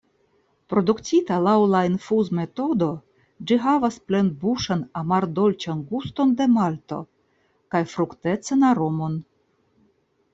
Produktita laŭ la infuzmetodo, ĝi havas plenbuŝan, amardolĉan guston de malto kaj fruktecan aromon.